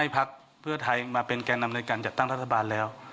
พักเพื่อไทยมาเป็นแก่นำในการจัดตั้งรัฐบาลแล้ว